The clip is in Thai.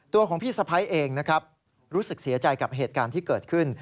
ตัวของพี่สะพ้ายเองนะครับรู้สึกเสียใจกับเหตุการณ์ที่เกิดขึ้น